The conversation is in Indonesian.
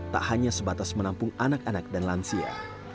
tak hanya sebatas menampung anak anak dan lansia